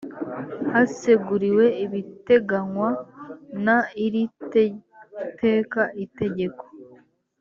haseguriwe ibiteganywa n iri teka itegeko